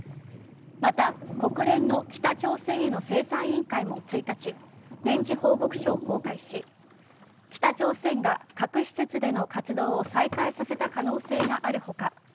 また、国連の北朝鮮への制裁委員会も１日年次報告書を公開し北朝鮮が核施設での活動を再開させた可能性がある他